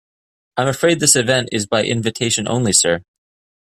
I'm afraid this event is by invitation only, sir.